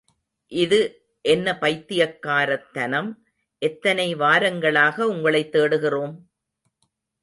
இது என்ன பைத்தியக்காரத்தனம், எத்தனை வாரங்களாக உங்களைத் தேடுகிறோம்?